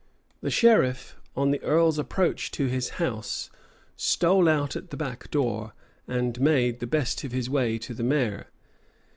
The sheriff, on the earl's approach to his house, stole out at the back door, and made the best of his way to the mayor.